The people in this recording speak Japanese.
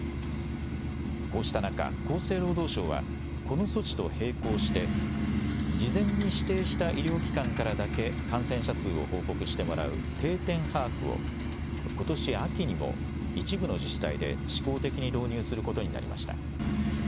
こうした中、厚生労働省はこの措置と並行して事前に指定した医療機関からだけ感染者数を報告してもらう定点把握をことし秋にも一部の自治体で試行的に導入することになりました。